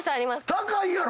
高いやろ？